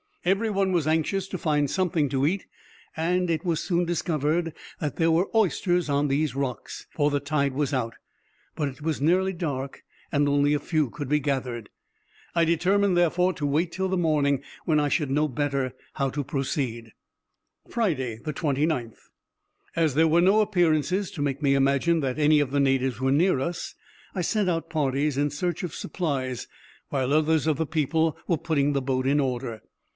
Every one was anxious to find something to eat, and it was soon discovered that there were oysters on these rocks, for the tide was out; but it was nearly dark, and only a few could be gathered. I determined, therefore, to wait till the morning, when I should know better how to proceed. Friday, 29th.—As there were no appearances to make me imagine that any of the natives were near us, I sent out parties in search of supplies, while others of the people were putting the boat in order.